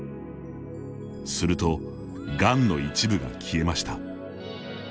すると、がんの一部が消えました。